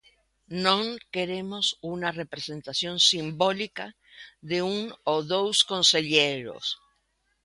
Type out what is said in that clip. Non queremos unha representación simbólica de un ou dous concelleiros.